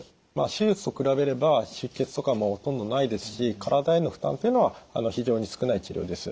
手術と比べれば出血とかもほとんどないですし体への負担というのは非常に少ない治療です。